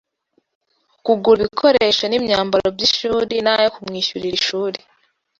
kugura ibikoresho n’imyambaro by’ishuri n’ayo kumwishyurira ishuri